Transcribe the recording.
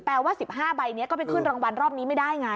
ว่า๑๕ใบนี้ก็ไปขึ้นรางวัลรอบนี้ไม่ได้ไง